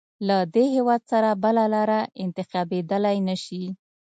له دې هېواد سره بله لاره انتخابېدلای نه شوای.